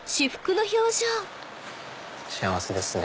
幸せですね。